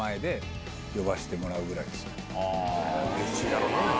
うれしいだろうな。